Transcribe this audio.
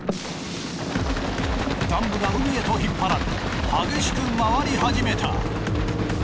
ダンブが海へと引っ張られ激しく回り始めた。